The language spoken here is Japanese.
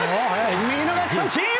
見逃し三振！